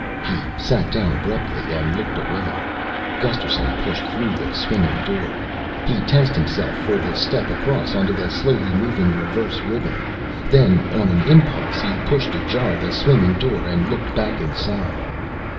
He sat down abruptly and looked away. Gusterson pushed through the swinging door. He tensed himself for the step across onto the slowly moving reverse ribbon. Then on a impulse he pushed ajar the swinging door and looked back inside.